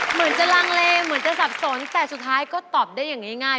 เหมือนจะลังเลเหมือนจะสับสนแต่สุดท้ายก็ตอบได้อย่างง่าย